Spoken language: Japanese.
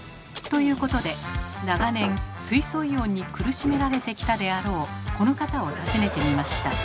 ということで長年水素イオンに苦しめられてきたであろうこの方を訪ねてみました。